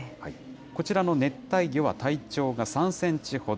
こちらの熱帯魚は体長が３センチほど。